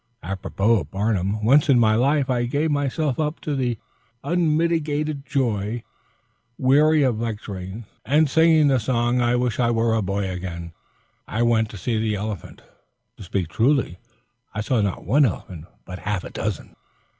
Apropos of Barnum, once in my life I gave myself up to unmitigated joy. Weary of lecturing, singing the song "I would I were a boy again," I went to see the elephant. To speak truly, I saw not one elephant, but half a dozen.